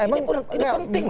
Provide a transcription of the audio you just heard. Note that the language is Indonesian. ini penting loh